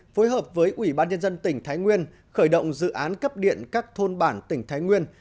phối hợp với ủy ban nhân dân tỉnh thái nguyên khởi động dự án cấp điện các thôn bản tỉnh thái nguyên